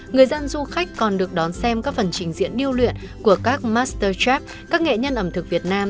người dân du khách còn được đón xem các phần trình diễn điêu luyện của các master trep các nghệ nhân ẩm thực việt nam